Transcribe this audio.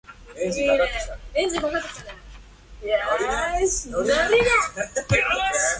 父は自分でふとんにくるまり、かけぶとんだけをさらに肩のずっと上までかけた。父はそれほど無愛想そうにでもなく、彼を仰ぎ見た。